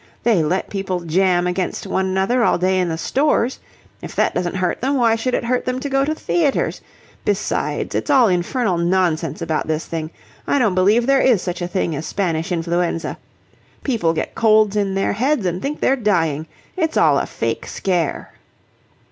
They let people jam against one another all day in the stores. If that doesn't hurt them why should it hurt them to go to theatres? Besides, it's all infernal nonsense about this thing. I don't believe there is such a thing as Spanish influenza. People get colds in their heads and think they're dying. It's all a fake scare."